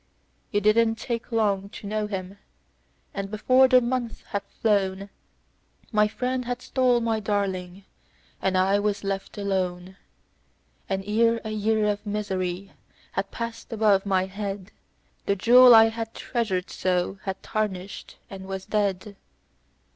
"It didn't take long to know him, and before the month had flown My friend had stole my darling, and I was left alone; And ere a year of misery had passed above my head, The jewel I had treasured so had tarnished and was dead.